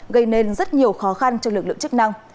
gây nên rất nhiều khó khăn cho lực lượng chức năng